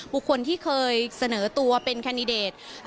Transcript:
บุคคลที่เคยเสนอตัวเป็นแคนดิเดต